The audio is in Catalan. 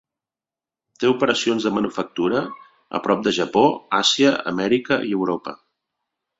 Té operacions de manufactura a Japó, Àsia, Amèrica i Europa.